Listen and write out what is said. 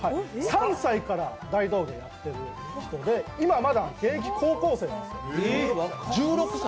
３歳から大道芸をやっている人で、今、まだ現役高校生なんです。